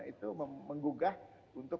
itu menggugah untuk